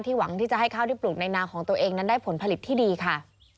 หวังที่จะให้ข้าวที่ปลูกในนาของตัวเองนั้นได้ผลผลิตที่ดีค่ะ